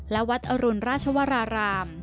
และวัดอรุณราชวราราม